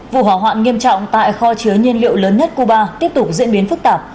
vụ hỏa hoạn nghiêm trọng tại kho chứa nhiên liệu lớn nhất cuba tiếp tục diễn biến phức tạp